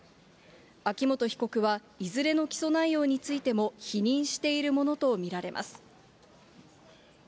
秋本被告はいずれの起訴内容について否認しているものと見られます。